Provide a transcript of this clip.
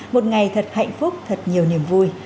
một ngày thật hạnh phúc thật nhiều niềm vui